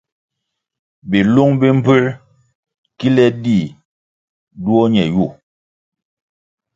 Bilung bi mbpuer kile dih duo ñe yu.